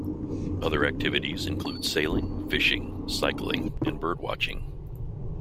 Other activities include sailing, fishing, cycling and bird watching.